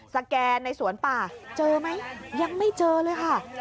แกนในสวนป่าเจอไหมยังไม่เจอเลยค่ะ